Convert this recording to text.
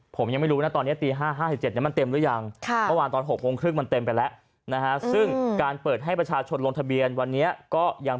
ผมยังไม่รู้นะตอนนี้ตี๕๕๗มันเต็มหรือยัง